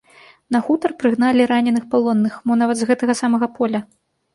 На хутар прыгналі раненых палонных, мо нават з гэтага самага поля.